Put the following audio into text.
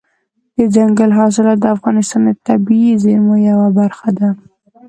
دځنګل حاصلات د افغانستان د طبیعي زیرمو یوه برخه ده.